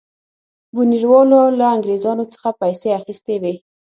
بونیروالو له انګرېزانو څخه پیسې اخیستې وې.